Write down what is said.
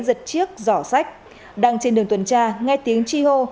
giật chiếc vỏ sách đang trên đường tuần tra nghe tiếng chi hô